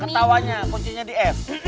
ketawanya kuncinya di f